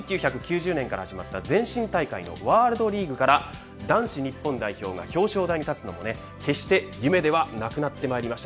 １９９０年から始まった前身大会のワールドリーグから男子日本代表が表彰台に立つのも決して夢ではなくなってきました。